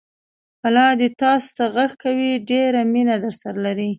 پلا دې تاسوته غږ کوي، ډېره مینه درسره لري!